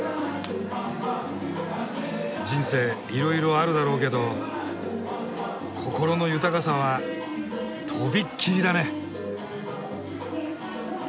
人生いろいろあるだろうけど心の豊かさはとびっきりだね！